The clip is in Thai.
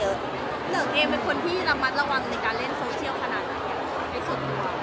แล้วเธอเองเป็นคนที่ระมัดระวังในการเล่นโซเชียลขนาดนั้นอย่างใกล้สุดหรือเปล่า